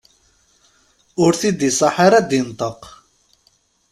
Ur t-id-iṣaḥ ara ad d-inṭeq.